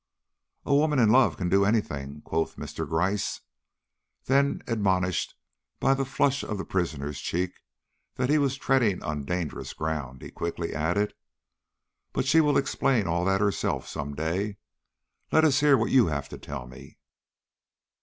"A woman in love can do any thing," quoth Mr. Gryce. Then admonished by the flush of the prisoner's cheek that he was treading on dangerous ground, he quickly added: "But she will explain all that herself some day. Let us hear what you have to tell me."